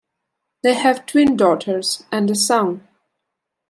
They have twin daughters, and a son.